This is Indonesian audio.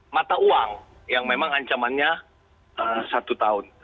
mata uang yang memang ancamannya satu tahun